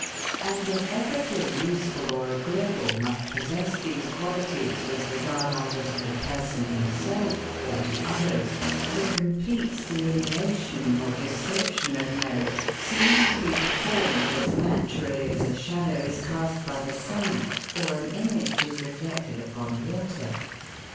And as every thing useful or agreeable must possess these qualities with regard either to the PERSON HIMSELF or to OTHERS, the complete delineation or description of merit seems to be performed as naturally as a shadow is cast by the sun, or an image is reflected upon water.